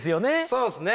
そうっすね。